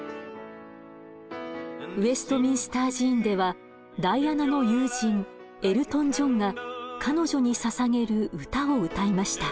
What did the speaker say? ウェストミンスター寺院ではダイアナの友人エルトン・ジョンが彼女にささげる歌を歌いました。